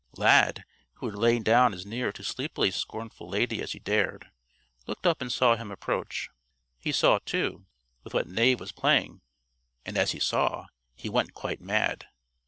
Lad, who had lain down as near to sleepily scornful Lady as he dared, looked up and saw him approach. He saw, too, with what Knave was playing; and as he saw, he went quite mad.